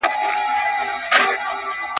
چا پوښتنه ورنه وكړله نادانه.